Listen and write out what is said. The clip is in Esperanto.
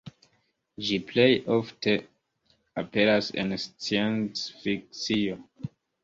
Ĝi plej ofte aperas en scienc-fikcio.